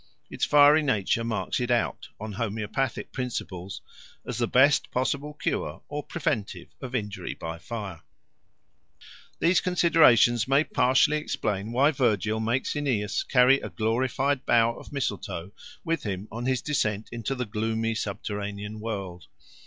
Its fiery nature marks it out, on homoeopathic principles, as the best possible cure or preventive of injury by fire. These considerations may partially explain why Virgil makes Aeneas carry a glorified bough of mistletoe with him on his descent into the gloomy subterranean world.